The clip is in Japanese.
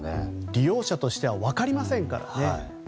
利用者としては分かりませんからね。